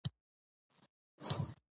او ټوله کېسه يې ورته وکړه.